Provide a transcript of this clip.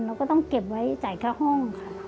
เราก็ต้องเก็บไว้จ่ายค่าห้องค่ะ